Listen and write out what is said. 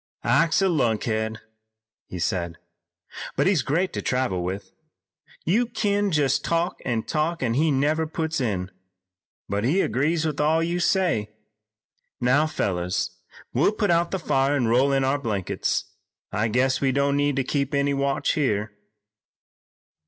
"Ike's a lunkhead," he said, "but he's great to travel with. You kin jest talk an' talk an' he never puts in, but agrees with all you say. Now, fellers, we'll put out the fire an' roll in our blankets. I guess we don't need to keep any watch here."